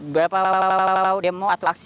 berapa demo atau aksi